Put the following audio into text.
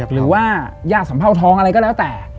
หรือว่าย่าสัมเภาทองอะไรก็แล้วแต่